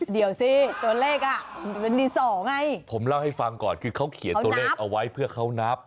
เดี๋ยวสิตัวเลขอ่ะมันเป็นดินสอไงผมเล่าให้ฟังก่อนคือเขาเขียนตัวเลขเอาไว้เพื่อเขานับ